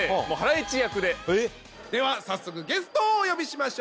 では早速ゲストをお呼びしましょう。